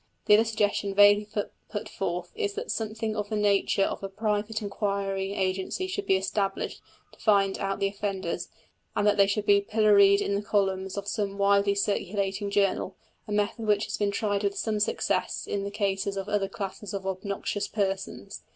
The other suggestion vaguely put forth is that something of the nature of a private inquiry agency should be established to find out the offenders, and that they should be pilloried in the columns of some widely circulating journal, a method which has been tried with some success in the cases of other classes of obnoxious persons.